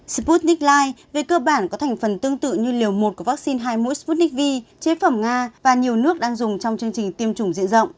sputnik li về cơ bản có thành phần tương tự như liều một của vaccine hai mũi sputnik v chế phẩm nga và nhiều nước đang dùng trong chương trình tiêm chủng diện rộng